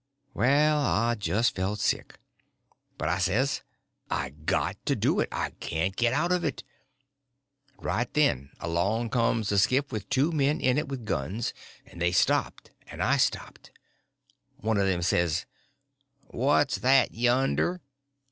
Well, I just felt sick. But I says, I got to do it—I can't get out of it. Right then along comes a skiff with two men in it with guns, and they stopped and I stopped. One of them says: "What's that yonder?"